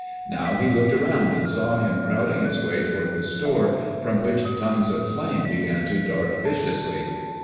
Now he looked around and saw him crowding his way toward the store, from which tongues of flame began to dart viciously.